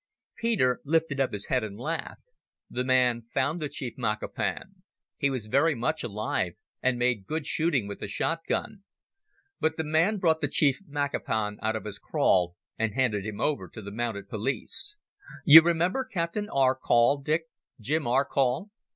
Peter lifted up his head and laughed. "The man found the chief Makapan. He was very much alive, and made good shooting with a shot gun. But the man brought the chief Makapan out of his kraal and handed him over to the Mounted Police. You remember Captain Arcoll, Dick—Jim Arcoll?